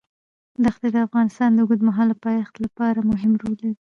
ښتې د افغانستان د اوږدمهاله پایښت لپاره مهم رول لري.